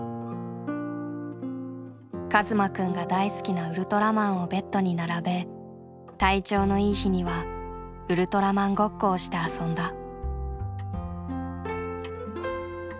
一馬くんが大好きなウルトラマンをベッドに並べ体調のいい日にはウルトラマンごっこをして遊んだ。